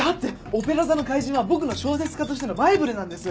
『オペラ座の怪人』は僕の小説家としてのバイブルなんです！